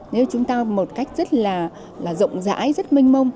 nếu chúng ta một cách rất là rộng rãi